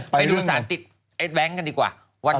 ไปดูสารติดไอ้แบงค์กันดีกว่า